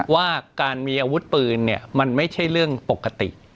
ว่าการมีอาวุธปืนมันไม่ใช่เรื่องปกติ